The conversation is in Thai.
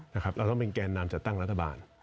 เราต้องเป็นแกนนำจัดตั้งรัฐบาล